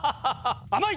甘い！